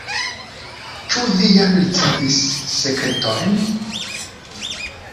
Ĉu vi jam ricevis sekretojn?